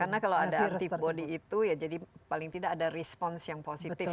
karena kalau ada antibody itu ya jadi paling tidak ada respon yang positif